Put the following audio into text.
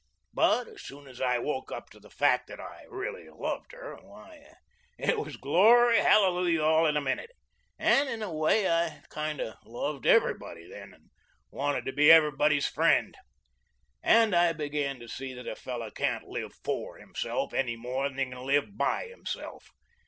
But as soon as I woke up to the fact that I really loved her, why, it was glory hallelujah all in a minute, and, in a way, I kind of loved everybody then, and wanted to be everybody's friend. And I began to see that a fellow can't live FOR himself any more than he can live BY himself.